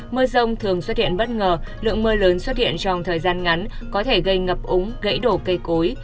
mưa rông thường xuất hiện bất ngờ lượng mưa lớn xuất hiện trong thời gian ngắn có thể gây ngập úng gãy đổ cây cối